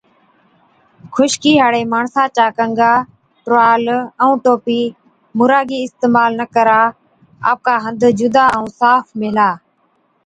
خشڪِي هاڙي ماڻسا چا ڪنگا، ٽروال ائُون ٽوپِي مُراگِي اِستعمال نہ ڪرا۔ آپڪا هنڌ جُدا ائُون صاف ميهلا۔